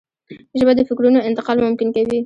ژبه د فکرونو انتقال ممکن کوي